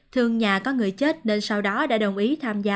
thương nhà có người chết nên sau đó đã đồng ý tham gia